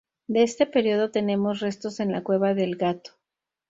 De este periodo tenemos restos en la Cueva del Gato.